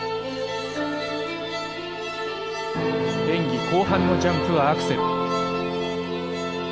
演技後半のジャンプはアクセル。